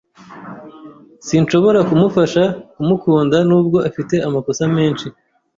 Sinshobora kumufasha kumukunda nubwo afite amakosa menshi.